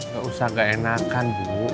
gak usah gak enakan bu